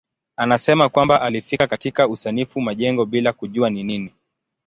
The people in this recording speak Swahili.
Anasema kwamba alifika katika usanifu majengo bila kujua ni nini.